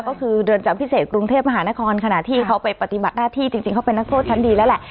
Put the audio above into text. ก็คือเรือนจำพิเศษกรุงเทพมหานครขณะที่เขาไปปฏิบัติหน้าที่จริงเขาเป็นนักโทษชั้นดีแล้วแหละ